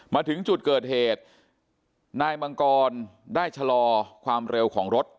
มาถึงจุดเกิดเหตุนายมังกรได้ชะลอความเร็วของรถ